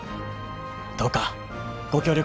どうかご協力